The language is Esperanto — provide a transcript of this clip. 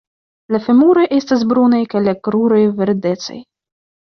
La femuroj estas brunaj kaj la kruroj verdecaj.